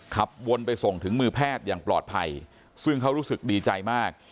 ขับวนไปส่งถึงมือแพทย์อย่างปลอดภัยซึ่งเขารู้สึกดีใจมาก